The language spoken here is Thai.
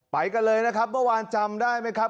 ป๋ายกันเลยนะครับเมื่อวานจำได้มั้ยครับ